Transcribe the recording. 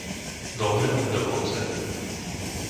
Dolné Obdokovce